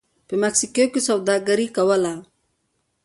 په مکسیکو کې یې سوداګري کوله